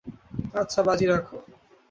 আচ্ছা বাজি রাখো।